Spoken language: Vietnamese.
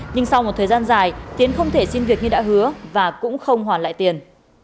nhưng sau một thời gian dài tiến không thể xin việc như đã hứa và cũng không hoàn lại tiền